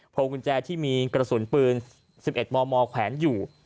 กุญแจที่มีกระสุนปืน๑๑มมแขวนอยู่